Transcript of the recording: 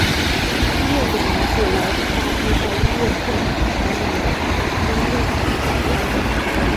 医院的名字来自大帝在医院建成前一年因痢疾早夭的。